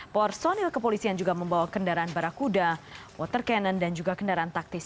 personil kepolisian juga membawa kendaraan barakuda water cannon dan juga kendaraan taktis